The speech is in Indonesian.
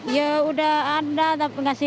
ya sudah ada tapi tidak sih